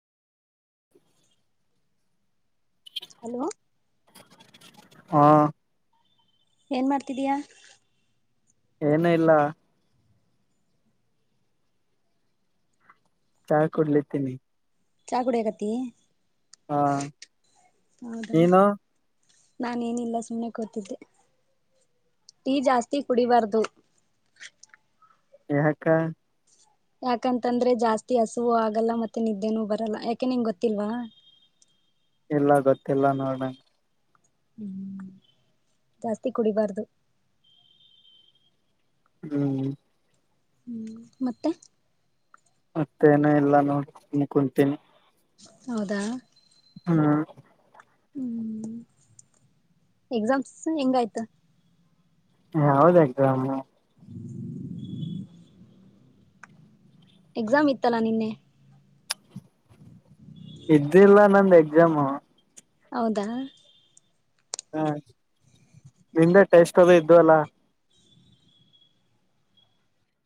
Hello ಹಾ [unintelligible] ಏನ್ ಮಾಡ್ತಿದೀಯಾ? [unintelligible] ಏನು ಇಲ್ಲ? [unintelligible] ಚಾ ಕೂಡ್ಲಿತೀನಿ. [unintelligible] ಚಾ ಕುಡಿಯಾಕತ್ತಿ. [unintelligible] ಹಾ ನೀನು? [unintelligible] ನಾನ ಏನಿಲ್ಲ ಸುಮ್ನೆ ಕೂತಿದ್ದೆ. [unintelligible] ಟೀ ಜಾಸ್ತಿ ಕುಡಿಬಾರ್ದು? [unintelligible] ಏಕಾ? [unintelligible] ಯಾಕಂತಂದ್ರೆ ಜಾಸ್ತಿ ಹಸುವು ಆಗಲ್ಲ ಮತ್ತೆ ನಿದ್ದೆನೂ ಬರಲ್ಲ ಯಾಕೆ ನಿಂಗ ಗೊತ್ತಿಲ್ವಾ? [unintelligible] ಎಲ್ಲ ಗೊತ್ತಲ್ಲ ನೋಡಣಂಗ. [unintelligible] ಜಾಸ್ತಿ ಕುಡಿಬಾರ್ದು. [unintelligible] ಹೂ [unintelligible] ಹೂ ಮತ್ತೆ? [unintelligible] ಮತ್ತೇನ ಇಲ್ಲ ನೋಡ್ ಸುಮ್ಮ ಕುಂತೀನಿ. [unintelligible] ಹೌದಾ? [unintelligible] ಹಾ [unintelligible] ಹೂ ಎಕ್ಸಾಮ್ಸ್ ಹೆಂಗ ಆಯ್ತ? [unintelligible] ಯಾವುದ ಎಕ್ಸಾಮ್? [unintelligible] ಎಕ್ಸಾಮ್ ಇತ್ತಲಾ ನಿನ್ನೆ? [unintelligible] ಇದ್ದಿಲ್ಲ ನಂದ ಎಕ್ಸಾಮು. [unintelligible] ಹೌದಾ? [unintelligible] ಹಾ ನಿಂದ ಟೇಸ್ಟ್ ಅದು ಇದ್ದು ಅಲ್ಲ? [unintelligible]